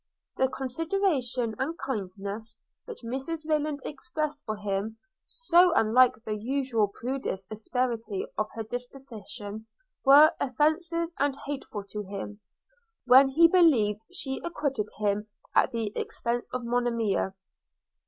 The consideration and kindness which Mrs Rayland expressed for him, so unlike the usual prudish asperity of her disposition, were offensive and hateful to him, when he believed she acquitted him at the expence of Monimia.